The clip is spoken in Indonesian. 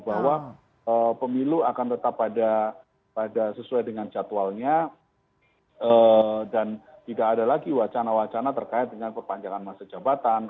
bahwa pemilu akan tetap sesuai dengan jadwalnya dan tidak ada lagi wacana wacana terkait dengan perpanjangan masa jabatan